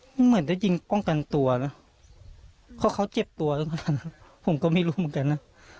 มันเหมือนจะยิงป้องกันตัวนะเพราะเขาเจ็บตัวผมก็ไม่รู้เหมือนกันนะ